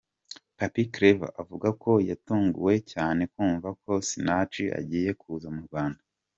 Papy Clever avuga ko yatunguwe cyane kumva ko Sinach agiye kuza mu Rwanda.